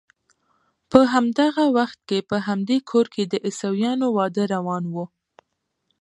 په همدغه وخت کې په همدې کور کې د عیسویانو واده روان و.